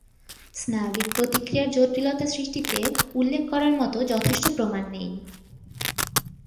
স্নায়বিক প্রতিক্রিয়ায় জটিলতা সৃষ্টিতে উল্লেখ করার মত যথেষ্ট প্রমাণ নেই।